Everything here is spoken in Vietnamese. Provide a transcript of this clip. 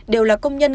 đều là công nhân công